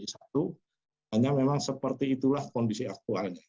hanya memang seperti itulah kondisi aktualnya